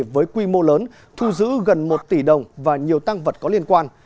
với quy mô lớn thu giữ gần một tỷ đồng và nhiều tăng vật có liên quan